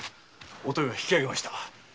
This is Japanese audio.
お豊は引き揚げました。